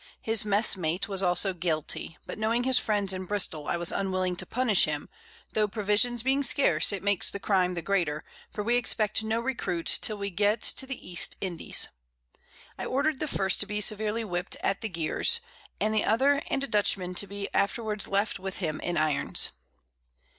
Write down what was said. His Mess mate was also guilty, but knowing his Friends in Bristol, I was unwilling to punish him, tho' Provisions being scarce, it makes the Crime the greater, for we expect no Recruit till we get to the East Indies. I order'd the first to be severely whipt at the Geers, and the other and a Dutchman to be afterwards left with him in Irons.